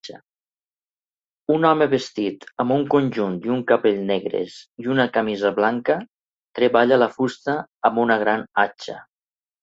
Un home vestit amb un conjunt i un capell negres i una camisa blanca treballa la fusta amb una gran atxa